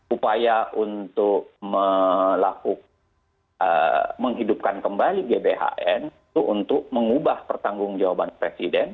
upaya untuk melakukan menghidupkan kembali gbhn itu untuk mengubah pertanggung jawaban presiden